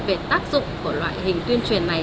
về tác dụng của loại hình tuyên truyền này